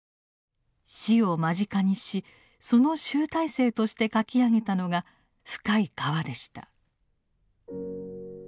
死を間近にしその集大成として書き上げたのが「深い河」でした。